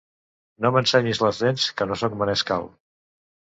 No m'ensenyis les dents, que no soc menescal.